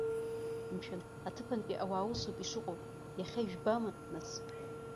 Мшәан, аҭыԥантәи ауаа усоуп ишыҟоу, иахьа ижәбама, нас.